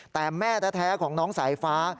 แต่แม่แท้ของน้องสายฟ้า